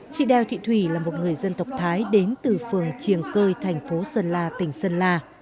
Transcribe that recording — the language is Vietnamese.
chị đeo thị thủy là một người dân tộc thái đến từ phường triềng cơi thành phố sơn la tỉnh sơn la